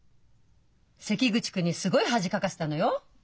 関口君にすごい恥かかせたのよ。